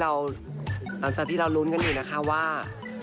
หลังจากที่เรารุ้นกันอีกนะคะว่า